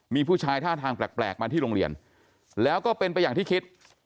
มีผู้ชายท่าทางแปลกมาที่โรงเรียนแล้วก็เป็นไปอย่างที่คิด